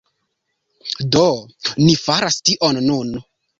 Do, ni faras tion nun